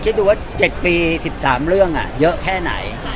คิดดูว่า๗ปี๑๓เรื่องเยอะแค่ไหน